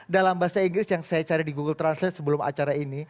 dalam bahasa inggris yang saya cari di google translate sebelum acara ini